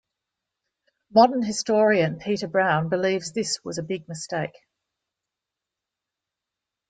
Modern historian Peter Brown believes this was a big mistake.